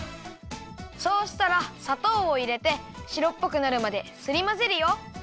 そうしたらさとうをいれてしろっぽくなるまですりまぜるよ。